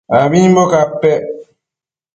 abimbo capec